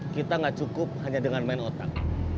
kita nggak cukup hanya dengan main otak